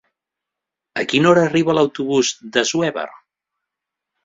A quina hora arriba l'autobús d'Assuévar?